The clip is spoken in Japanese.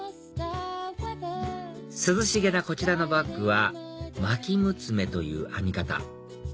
涼しげなこちらのバッグは巻き六つ目という編み方